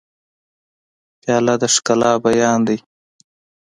پیاله د ښکلا بیان دی.